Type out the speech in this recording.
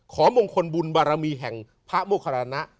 มงคลบุญบารมีแห่งพระโมคารณะ